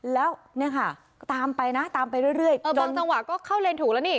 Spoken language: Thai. แล้วเนี่ยค่ะตามไปนะตามไปเรื่อยบางจังหวะก็เข้าเลนถูกแล้วนี่